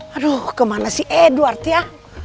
aduh kemana sih edward ya